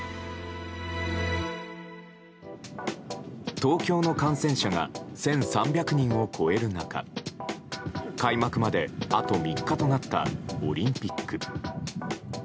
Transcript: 東京の感染者数が１３００人を超える中開幕まであと３日となったオリンピック。